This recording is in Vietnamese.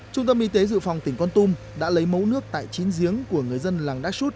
trung tâm y tế dự phòng tỉnh con tum đã lấy mấu nước tại chín dự phòng